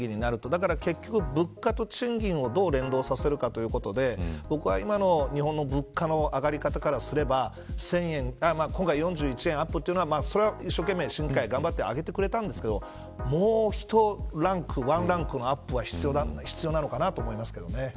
だから物価と賃金をどう連動させるかということで僕は、今の日本の物価の上がり方からすれば今回４１円アップというのはそれは一生懸命、審議会頑張って上げてくれたんですけどもう１ランクのアップが必要なのかなと思いますけどね。